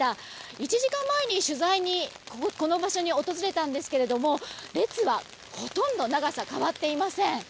１時間前に取材にこの場所に訪れたんですが列はほとんど長さは変わっていません。